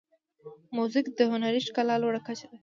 موزیک د هنري ښکلا لوړه کچه ده.